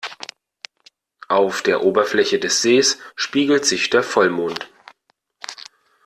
Auf der Oberfläche des Sees spiegelt sich der Vollmond.